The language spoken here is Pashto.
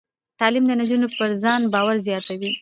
تعلیم د نجونو پر ځان باور زیاتوي.